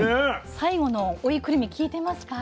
最後の追いくるみきいてますか？